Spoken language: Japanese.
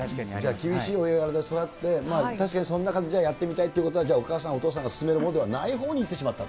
厳しいお家柄で育って、まさにそんな中で、じゃあやってみたいということはじゃあ、お母さん、お父さんが勧めるほうではないほうに行ってしまったと。